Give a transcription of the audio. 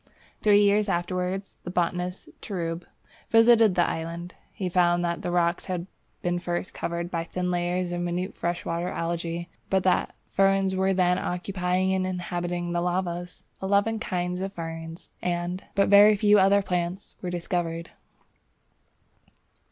Three years afterwards the botanist Treub visited the island. He found that the rocks had been first covered by thin layers of minute freshwater Algæ, but that ferns were then occupying and inhabiting the lavas. Eleven kinds of ferns, and but very few other plants, were discovered.